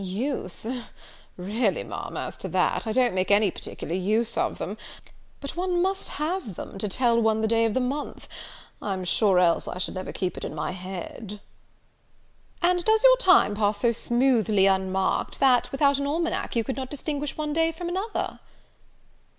"Use! really, Ma'am, as to that, I don't make any particular use of them; but one must have them, to tell one the day of the month: I'm sure, else I should never keep it in my head." "And does your time pass so smoothly unmarked, that, without an almanack, you could not distinguish one day from another?"